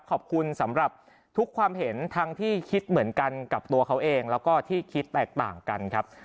ขอบคุณสำหรับทุกความเห็นทั้งที่คิดเหมือนกันกับตัวเขาเองแล้วก็ที่คิดแตกต่างกันครับ